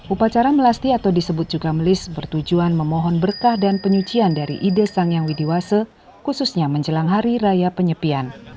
upacara melasti atau disebut juga melis bertujuan memohon berkah dan penyucian dari ide sang yang widiwase khususnya menjelang hari raya penyepian